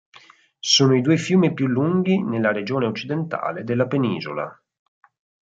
Sono i due fiumi più lunghi nella regione occidentale della penisola.